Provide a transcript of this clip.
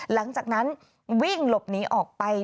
หลังจากนั้นวิ่งหลบหนีออกไป